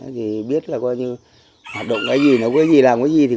thì biết là có những hoạt động cái gì làm cái gì làm cái gì